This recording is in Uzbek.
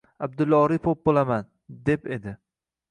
Abdulla Oripov bo‘laman, deb edi.